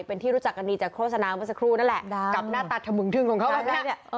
เป็นที่รู้จักกันดีจากโฆษณาเมื่อสักครู่นั่นแหละกับหน้าตาถมึงทึ่งของเขาแบบนี้เนี่ย